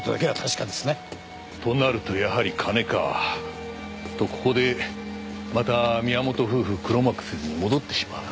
となるとやはり金か。とここでまた宮本夫婦黒幕説に戻ってしまう。